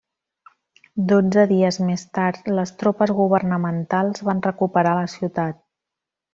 Dotze dies més tard les tropes governamentals van recuperar la ciutat.